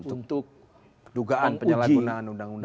untuk dugaan penyalahgunaan undang undang